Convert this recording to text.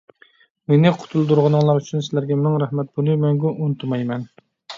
مېنى قۇتۇلدۇرغىنىڭلار ئۈچۈن سىلەرگە مىڭ رەھمەت! بۇنى مەڭگۈ ئۇنتۇمايمەن.